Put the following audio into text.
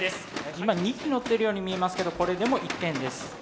今２機のってるように見えますけどこれでも１点です。